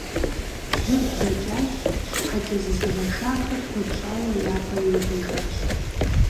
Жьыр блэкӀащ, щхьэкӀэ зызыгъэшахэр куэд щӀауэ я пӀэ иувэжащ.